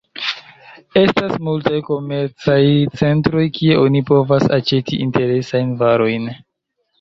Estas multaj komercaj centroj kie oni povas aĉeti interesajn varojn.